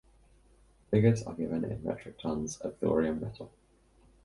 Figures are given in metric tonnes of thorium metal.